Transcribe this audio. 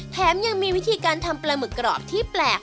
แถมยังมีวิธีการทำปลาหมึกกรอบที่แปลก